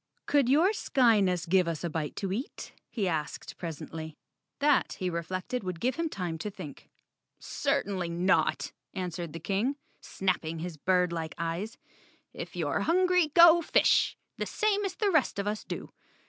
"Could your Skyness give us a bite to eat?" he asked presently. That, he reflected, would give him time to think. "Certainly not," answered the King, snapping his birdlike eyes. "If you're hungry, go fish, the same as the rest of us do.